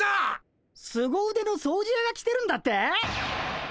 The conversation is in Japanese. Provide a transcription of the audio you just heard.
すご腕の掃除やが来てるんだって？